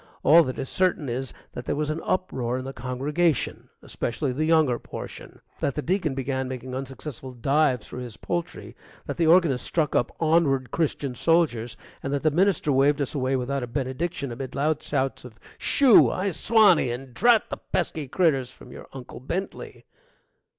All that is certain is that there was an uproar in the congregation, especially the younger portion; that the Deacon began making unsuccessful dives for his poultry; that the organist struck up "Onward, Christian Soldiers," and that the minister waved us away without a benediction amid loud shouts of, "Shoo!" "I swanny!" and, "Drat the pesky critters!" from your Uncle Bentley.